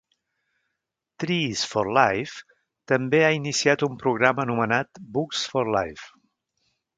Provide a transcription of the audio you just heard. "Trees for life" també ha iniciat un programa anomenat "Books for Life".